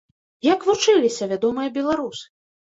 Як вучыліся вядомыя беларусы?